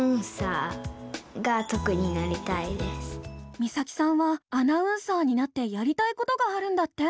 実咲さんはアナウンサーになってやりたいことがあるんだって。